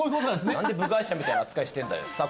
何で部外者みたいな扱いしてんだよさあ